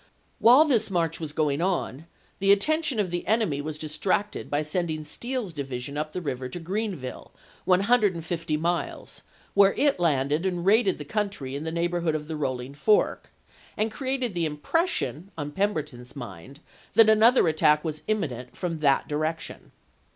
While this march was going on the attention of the enemy was distracted by sending Steele's di vision up the river to Greenville, one hundred and fifty miles, where it landed and raided the country in the neighborhood of the Rolling Fork, and created the impression on Pemberton's mind that another attack was imminent from that direction.